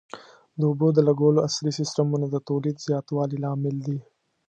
د اوبو د لګولو عصري سیستمونه د تولید زیاتوالي لامل دي.